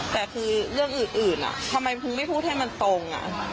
แต่คือเรื่องอื่นทำไมมึงไม่พูดให้มันตรง